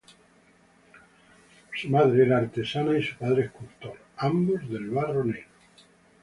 Su madre era artesana y su padre escultor, ambos del barro negro.